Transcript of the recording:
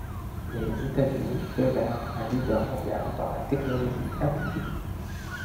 Les États-Unis devinrent un leader mondial dans la technologie appliquée.